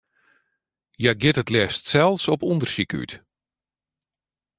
Hja giet it leafst sels op ûndersyk út.